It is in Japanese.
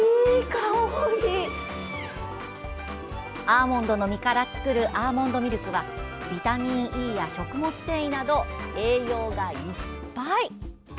アーモンドの実から作るアーモンドミルクはビタミンＥや食物繊維など栄養がいっぱい。